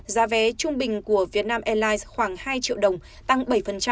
giá vé trung bình của việt nam airlines khoảng hai triệu đồng tăng bảy